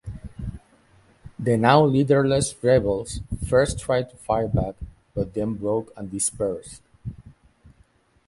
The now leaderless rebels first tried to fire back, but then broke and dispersed.